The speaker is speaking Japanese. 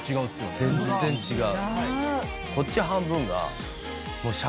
全然違う！